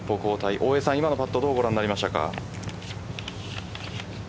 大江さん、今のパットどうご覧になりましたか。